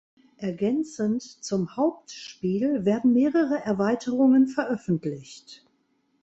Ergänzend zum Hauptspiel werden mehrere Erweiterungen veröffentlicht.